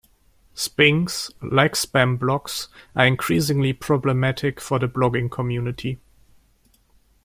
Spings, like spam blogs, are increasingly problematic for the blogging community.